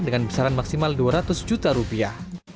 dengan besaran maksimal dua ratus juta rupiah